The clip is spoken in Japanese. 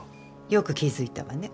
よく気付いたわね。